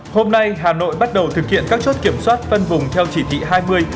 hôm nay hà nội bắt đầu thực hiện các chốt kiểm soát phân vùng theo chỉ thị hai mươi